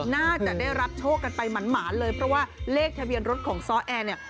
น่าจะได้รับโชคกันไปหมานเลยเพราะว่าเลขทะเบียนรถของซ้อแอร์เนี่ย